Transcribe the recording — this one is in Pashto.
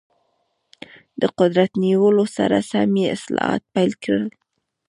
د قدرت نیولو سره سم یې اصلاحات پیل کړل.